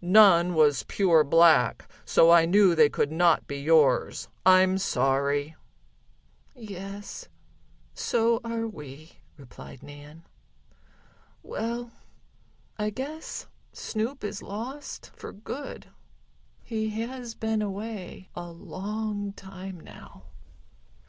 None was pure black, so I knew they could not be yours. I'm sorry." "Yes, so are we," replied Nan. "Well, I guess Snoop is lost for good. He has been away a long time now."